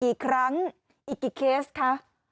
กี่ครั้งอีกกี่เคสคะ